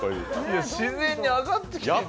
自然に上がってきちゃう。